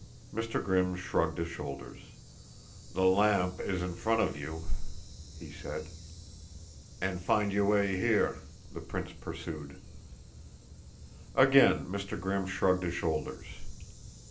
Mr. Grimm shrugged his shoulders. "The lamp is in front of you," he said. "And find your way here?" the prince pursued. Again Mr. Grimm shrugged his shoulders.